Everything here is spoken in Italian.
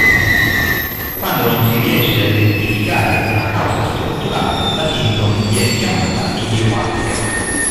Quando non si riesce ad identificare una causa strutturale, la sindrome viene chiamata idiopatica.